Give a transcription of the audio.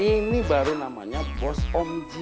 ini baru namanya bos om gini